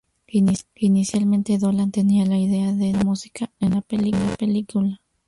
Inicialmente Dolan tenía la idea de no usar música en la película.